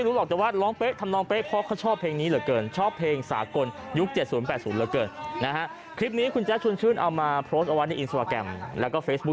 หล่อสองเพลงอีกเพลงเถอะครับ